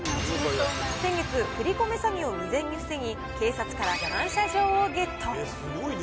先月、振り込め詐欺を未然に防ぎ、警察から感謝状をゲット。